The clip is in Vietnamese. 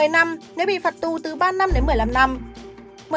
một mươi năm nếu bị phạt tù từ ba năm đến một mươi năm năm